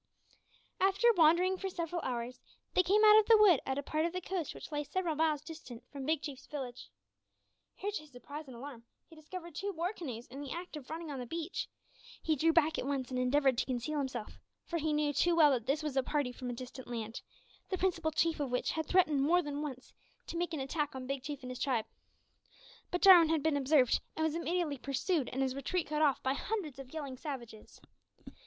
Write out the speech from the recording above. After wandering for several hours, they came out of the wood at a part of the coast which lay several miles distant from Big Chief's village. Here, to his surprise and alarm, he discovered two war canoes in the act of running on the beach. He drew back at once, and endeavoured to conceal himself, for he knew too well that this was a party from a distant island, the principal chief of which had threatened more than once to make an attack on Big Chief and his tribe. But Jarwin had been observed, and was immediately pursued and his retreat cut off by hundreds of yelling savages.